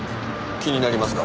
気になりますか？